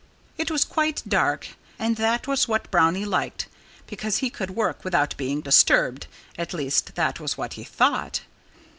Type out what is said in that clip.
It was quite dark. And that was what Brownie liked, because he could work without being disturbed at least, that was what he thought.